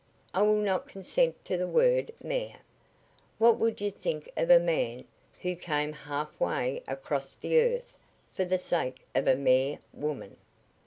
"I will not consent to the word 'mere.' What would you think of a man who came half way across the earth for the sake of a mere woman?"